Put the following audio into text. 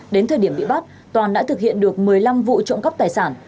đến thời điểm bị bắt toàn đã thực hiện được một mươi năm vụ trộm cắp tài sản